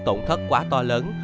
tổn thất quá to lớn